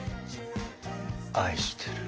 愛してる。